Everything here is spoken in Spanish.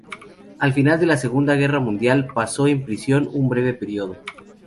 Al final de la Segunda Guerra Mundial, pasó en prisión un breve periodo.